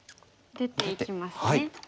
出ていきますね。